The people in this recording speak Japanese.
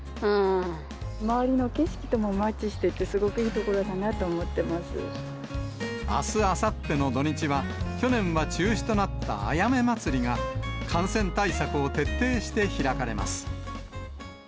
周りの景色ともマッチしてて、あす、あさっての土日は、去年は中止となったあやめまつりが、感染対策を徹底して開かれます。